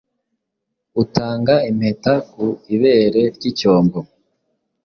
Utanga impetaku ibere ryicyombo